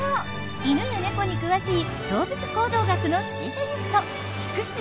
イヌやネコに詳しい動物行動学のスペシャリスト菊水